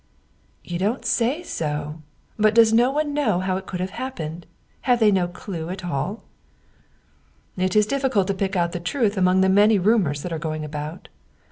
" You don't say so ! But does no one know how it could have happened ? Have they no clew at all ?"" It is difficult to pick out the truth among the many rumors that are going about.